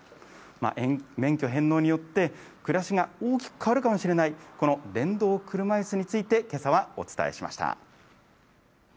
免許返納によって暮らしが大きく変わるかもしれない、この電動車いすについて、けさはお伝えしました。